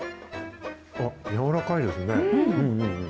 あっ、柔らかいですね。